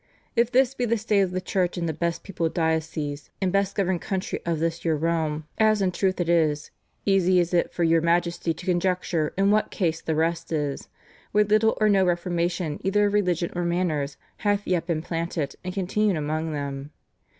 ... If this be the state of the church in the best peopled diocese, and best governed country of this your realm, as in truth it is, easy is it for your Majesty to conjecture in what case the rest is, where little or no reformation either of religion or manners hath yet been planted and continued among them.